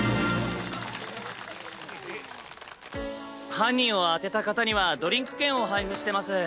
犯人を当てた方にはドリンク券を配布してます。